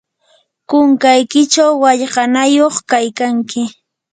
kunkaykichaw wallqanayuq kaykanki.